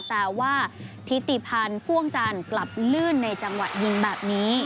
แต่ว่าทิติพันธ์พ่วงจันทร์กลับลื่นในจังหวะยิงแบบนี้